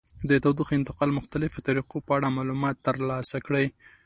د تودوخې انتقال مختلفو طریقو په اړه معلومات ترلاسه کړئ.